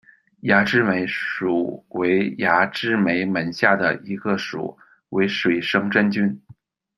芽枝霉属为芽枝霉门下的一个属，为水生真菌。